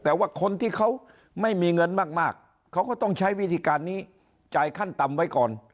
แต่ว่าคนที่เขาไม่มีเงินมากเขาก็ต้องใช้วิธีการนี้จ่ายขั้นต่ำไว้ก่อน